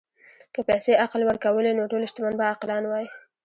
که پیسې عقل ورکولی، نو ټول شتمن به عاقلان وای.